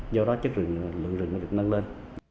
do đó chất lượng rừng được nâng lên